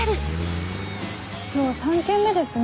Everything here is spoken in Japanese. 今日３件目ですね